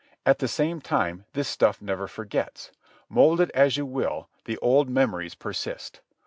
At the same time this stuff never forgets. Mould it as you will, the old memories persist.